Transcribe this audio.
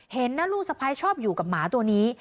เห็นนะลูกสะพ้ายชอบอยู่กับหมาตัวนี้